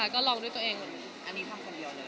อันนี้ทำคนเดียวเลยหรือเปล่าค่ะ